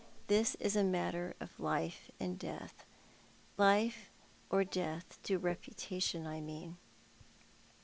This is a matter of life and death — life or death to reputation, I mean."